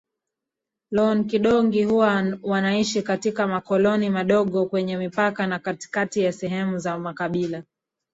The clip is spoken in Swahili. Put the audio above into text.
Loonkidongi huwa wanaishi katika makoloni madogo kwenye mipaka na katikati ya sehemu za makabila